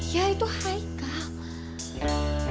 ya itu haikal